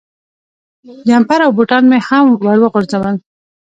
جمپر او بوټان مې هم ور وغورځول.